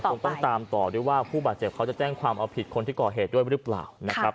คงต้องตามต่อด้วยว่าผู้บาดเจ็บเขาจะแจ้งความเอาผิดคนที่ก่อเหตุด้วยหรือเปล่านะครับ